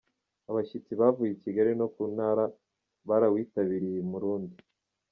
Abashyitsi bavuye Kigali no ku Ntara barawitabiriye i Murundi.